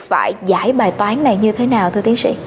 phải giải bài toán này như thế nào thưa tiến sĩ